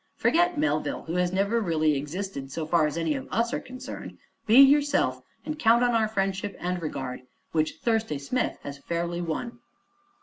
Forget Melville, who has never really existed so far as any of us are concerned; be yourself, and count on our friendship and regard, which Thursday Smith has fairly won."